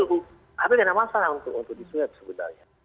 tapi ada masalah untuk disuai sebenarnya